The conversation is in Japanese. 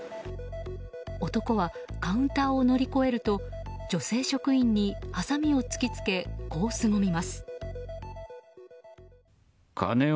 男はカウンターを乗り越えると女性職員にはさみを突きつけこうすごみます。